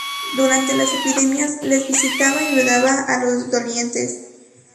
Durante las epidemias les visitaba y ayudaba a los dolientes.